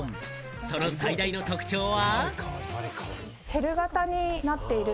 その最大の特徴は。